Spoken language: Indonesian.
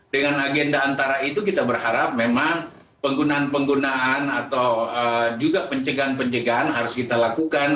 dengan agenda antara itu kita berharap memang penggunaan penggunaan atau juga pencegahan pencegahan harus kita lakukan